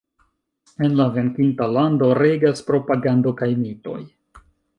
En la venkinta lando regas propagando kaj mitoj.